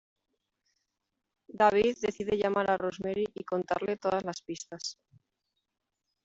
David decide llamar a Rosemary y contarle todas las pistas.